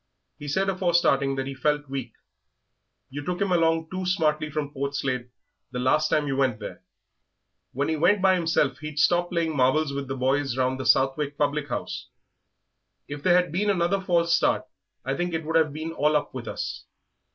He said afore starting that he felt weak; you took him along too smartly from Portslade the last time you went there." "When he went by himself he'd stop playing marbles with the boys round the Southwick public house." "If there had been another false start I think it would have been all up with us.